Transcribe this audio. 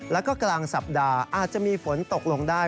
แล้วก็กลางสัปดาห์อาจจะมีฝนตกลงได้